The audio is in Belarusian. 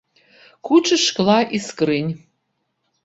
Кучы шкла і скрынь.